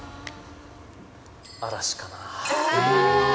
嵐かな。